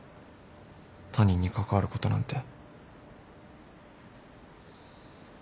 他人に関わることなんて。